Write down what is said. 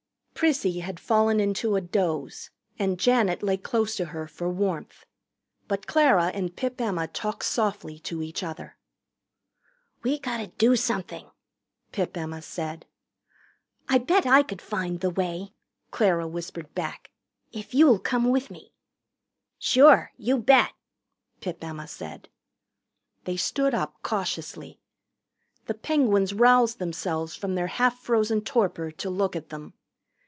Prissy had fallen into a doze, and Janet lay close to her for warmth. But Clara and Pip Emma talked softly to each other. "We gotter do something," Pip Emma said. "I bet I could find the way," Clara whispered back, "if you'll come with me." "Sure. You bet," Pip Emma said. They stood up cautiously. The Penguins roused themselves from their half frozen torpor to look at them.